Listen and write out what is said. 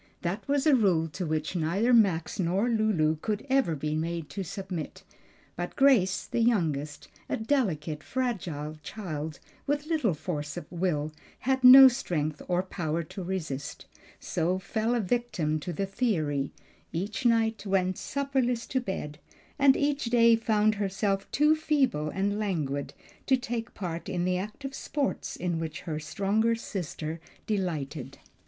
That was a rule to which neither Max nor Lulu could ever be made to submit; but Grace, the youngest, a delicate, fragile child, with little force of will, had no strength or power to resist, so fell a victim to the theory; each night went supperless to bed, and each day found herself too feeble and languid to take part in the active sports in which her stronger sister delighted.